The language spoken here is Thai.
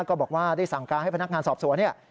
ก็บอกว่าได้สั่งการให้พนักงานสอบสวนเนี่ย